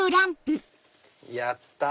やった！